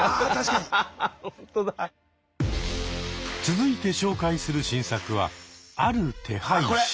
続いて紹介する新作は「ある手配師」。